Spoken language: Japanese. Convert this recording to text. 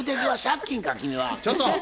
ちょっと！